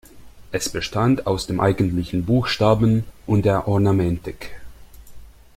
Er bestand aus dem eigentlichen Buchstaben und der Ornamentik.